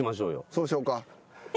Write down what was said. そうしようか。